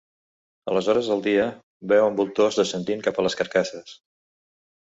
A les hores del dia, veuen voltors descendint cap a les carcasses.